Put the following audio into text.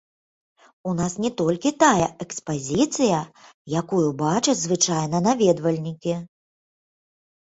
У нас не толькі тая экспазіцыя, якую бачаць звычайна наведвальнікі.